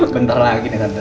bentar lagi nih tante